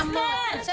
ini paket kudungan